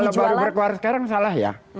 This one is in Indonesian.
kalau baru berkuar sekarang salah ya